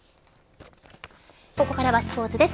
ここからスポーツです。